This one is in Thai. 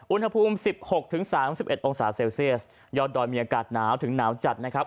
อุณหภูมิสิบหกถึงสามสิบเอ็ดองศาเซลเซียสยอดดอยมีอากาศหนาวถึงหนาวจัดนะครับ